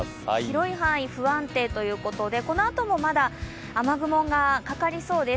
広い範囲、不安定ということで、このあともまだ雨雲がかかりそうです。